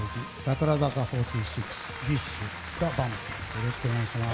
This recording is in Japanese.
よろしくお願いします。